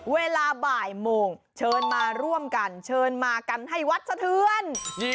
เวลาบ่ายโมงเชิญมาร่วมกันเชิญมากันให้วัดสะเทือน